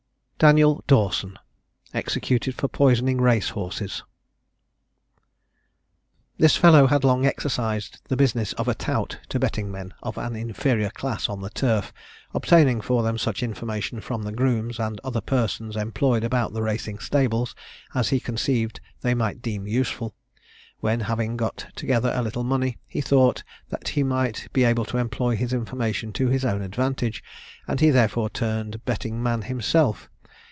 DANIEL DAWSON. EXECUTED FOR POISONING RACE HORSES. This fellow had long exercised the business of a tout to betting men of an inferior class on the Turf, obtaining for them such information from the grooms and other persons employed about the racing stables as he conceived they might deem useful; when having got together a little money, he thought that he might be able to employ his information to his own advantage, and he therefore turned betting man himself.